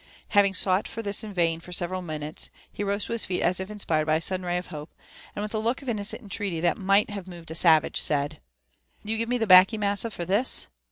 Having sought for this in vain for several minutes, he rose to his feet as if inspired by a sudden ray of hope, and with a look of innocent entreaty that might have moved a savage, said, '' You give me the baccy, massa, for this?"